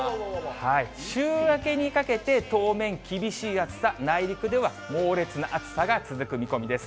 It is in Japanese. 週明けにかけて、当面、厳しい暑さ、内陸では猛烈な暑さが続く見込みです。